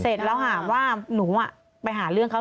เสร็จแล้วถามว่าหนูไปหาเรื่องเขา